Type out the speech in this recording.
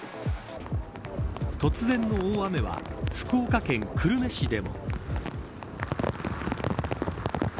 突然の大雨は福岡県久留米市でも。